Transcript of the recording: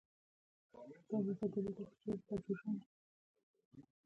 راځئ د خپل افغانستان د بقا په خاطر له نړۍ سره اړیکي جوړې کړو.